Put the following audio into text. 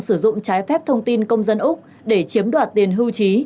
sử dụng trái phép thông tin công dân úc để chiếm đoạt tiền hưu trí